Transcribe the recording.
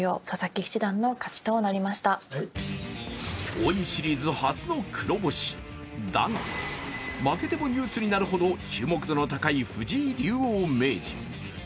王位シリーズ初の黒星だが負けてもニュースになるほど注目度の高い藤井竜王名人。